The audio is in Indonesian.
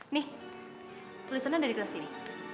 nih tulisannya ada di kelas ini